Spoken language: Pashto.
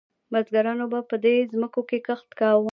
بزګرانو به په دې ځمکو کې کښت کاوه.